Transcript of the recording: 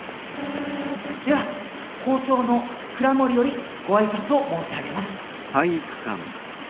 では校長の倉守よりご挨拶を申し上げます。